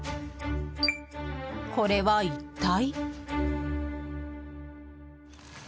これは一体？